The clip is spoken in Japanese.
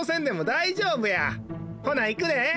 ほないくで！